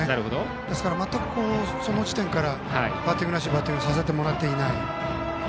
ですから、その時点からバッティングらしいバッティングをさせてもらっていない。